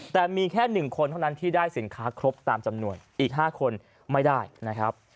แต่มีแค่๑คนเท่านั้นที่ได้สินค้าครบตามจำนวนอีก๕คนไม่ได้นะครับ